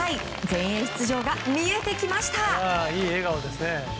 全英出場が見えてきました。